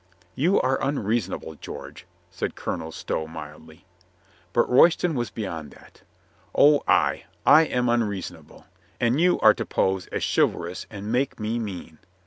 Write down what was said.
"You are unreasonable, George," said Colonel Stow mildly. But Royston was beyond that. "Oh, ay, I am un reasonable. And you are to pose as chivalrous and make me mean.